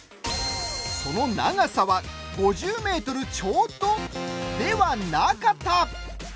その長さは、５０ｍちょうどではなかった！